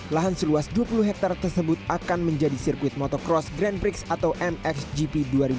lahan seluas dua puluh hektare tersebut akan menjadi sirkuit motocross grand prix atau mxgp dua ribu dua puluh